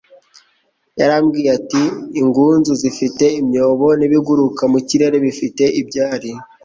yararimbwiye ati: uingunzu zifite imyobo, n'ibiguruka mu kirere bifite ibyari,